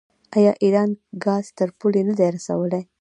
آیا ایران ګاز تر پولې نه دی رسولی؟